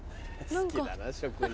好きだな職人。